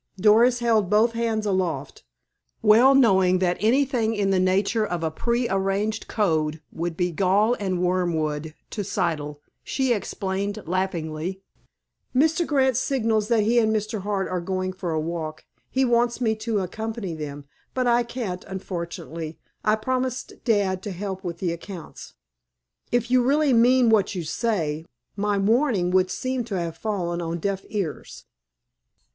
Doris held both hands aloft. Well knowing that anything in the nature of a pre arranged code would be gall and wormwood to Siddle, she explained laughingly: "Mr. Grant signals that he and Mr. Hart are going for a walk; he wants me to accompany them. But I can't, unfortunately. I promised dad to help with the accounts." "If you really mean what you say, my warning would seem to have fallen on deaf ears."